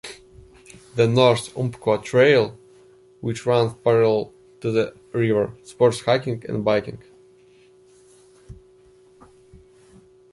The North Umpqua Trail, which runs parallel to the river, supports hiking and biking.